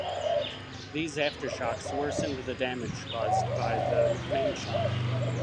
These aftershocks worsened the damage caused by the mainshock.